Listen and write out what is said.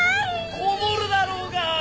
こもるだろうがー！